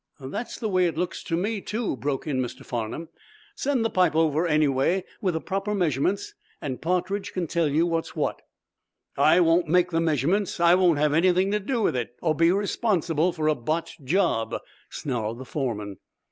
"That's the way it looks to me, too," broke in Mr. Farnum. "Send the pipe over, anyway, with the proper measurements, and Partridge can tell you what's what." "I won't make the measurements. I won't have anything to do with it, or be responsible for a botched job," snarled the foreman.